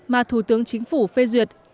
mà thủ tướng chính phủ phê duyệt